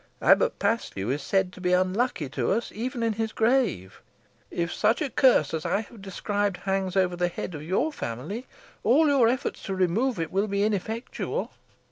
Abbot Paslew is said to be unlucky to us even in his grave. If such a curse, as I have described, hangs over the head of your family, all your efforts to remove it will be ineffectual."